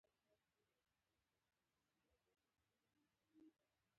دا منظره لکه ناوې چې سپین بخمل کمیس اغوستی وي.